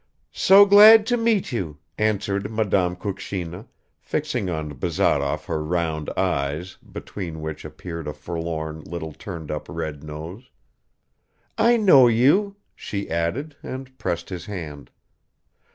"So glad to meet you," answered Madame Kukshina, fixing on Bazarov her round eyes, between which appeared a forlorn little turned up red nose, "I know you," she added, and pressed his hand.